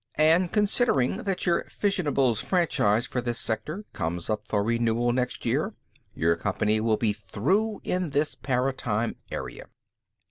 And considering that your fissionables franchise for this sector comes up for renewal next year, your company will be through in this paratime area."